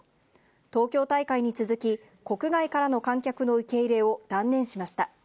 東京大会に続き、国外からの観客の受け入れを断念しました。